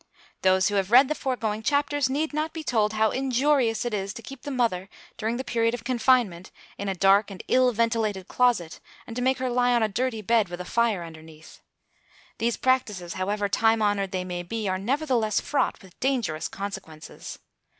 Those who have read the foregoing chapters need not be told how injurious it is to keep the mother during the period of confinement in a dark and ill ventilated closet and to make her lie on a dirty bed with a fire underneath. These practices, however time honoured they may be, are nevertheless fraught with dangerous consequences.